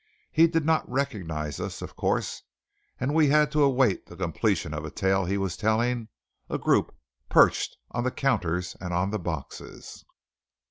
He did not recognize us, of course; and we had to await the completion of a tale he was telling a group perched on the counters and on the boxes.